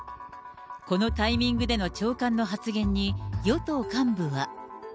このタイミングでの長官の発言に、与党幹部は。